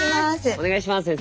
お願いします先生。